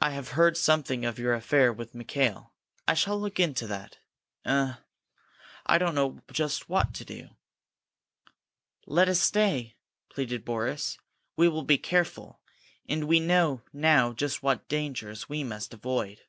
"I have heard something of your affair with Mikail. I shall look into that. Eh I don't know just what to do!" "Let us stay!" pleaded Boris. "We will be careful, and we know now just what dangers we must avoid."